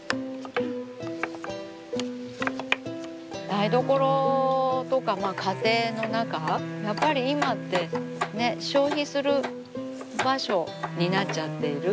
台所とか家庭の中やっぱり今ってね消費する場所になっちゃっている。